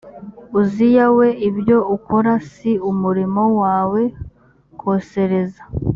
uziya we ibyo ukora si umurimo wawe kosereza